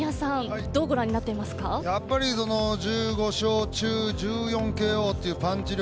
やっぱり１５勝中１４ＫＯというパンチ力。